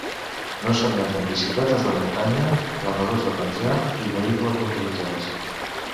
No s'admeten bicicletes de muntanya, planadors de penjar i vehicles motoritzats.